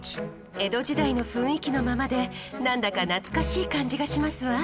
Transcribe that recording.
江戸時代の雰囲気のままでなんだか懐かしい感じがしますわ。